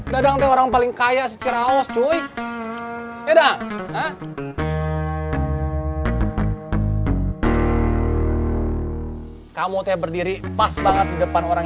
dadang orang paling kaya secara aus cuy